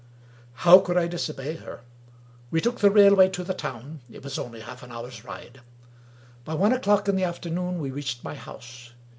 How could I disobey her? We took the railway to the town : it was only half an hour's ride. By one o'clock in the afternoon we reached my house.